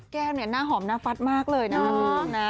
แก้มเนี่ยหน้าหอมหน้าฟัดมากเลยนะ